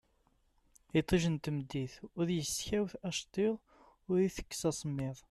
Itij n tmeddit ur iskaw acettiḍ ur itekkes asemmiḍ